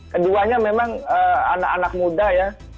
keduanya memang anak anak muda ya